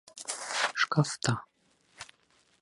Шкафта.